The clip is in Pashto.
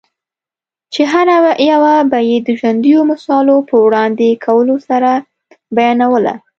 چي هره یوه به یې د ژوندییو مثالو په وړاندي کولو سره بیانوله؛